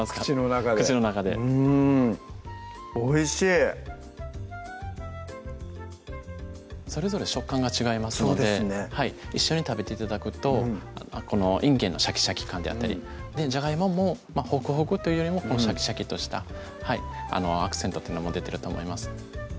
口の中でおいしいそれぞれ食感が違いますのでそうですね一緒に食べて頂くといんげんのシャキシャキ感であったりじゃがいももほくほくというよりシャキシャキッとしたアクセントというのも出てると思います